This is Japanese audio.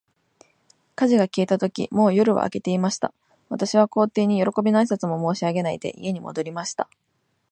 火事が消えたとき、もう夜は明けていました。私は皇帝に、よろこびの挨拶も申し上げないで、家に戻りました。